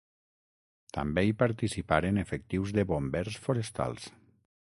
També hi participaren efectius de bombers forestals.